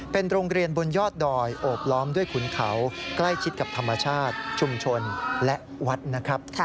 เป็นโรงเรียนบนยอดดอยโอบล้อมด้วยขุนเขาใกล้ชิดกับธรรมชาติชุมชนและวัดนะครับ